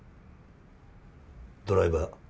ドライバー。